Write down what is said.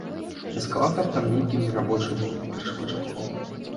Эскалатар там нейкі нерабочы быў першапачаткова.